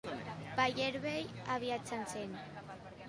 Paller vell aviat s'encén.